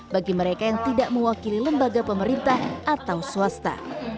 bagi mereka yang tidak mewakili lembaga pemerintah atau swasta